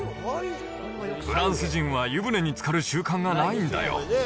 フランス人は湯船につかる習慣がないんだよ。